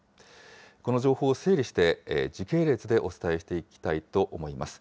この情報を整理して、時系列でお伝えしていきたいと思います。